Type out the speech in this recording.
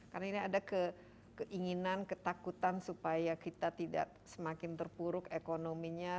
karena ini ada keinginan ketakutan supaya kita tidak semakin terpuruk ekonominya